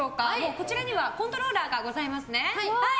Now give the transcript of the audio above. こちらにはコントローラーがございますね。